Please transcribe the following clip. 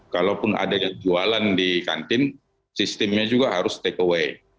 kalaupun ada yang jualan di kantin sistemnya juga harus take away